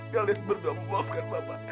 kalian berdoa memaafkan bapak ya